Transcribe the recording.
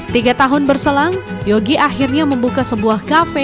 tiga tahun berselang yogi akhirnya membuka sebuah kafe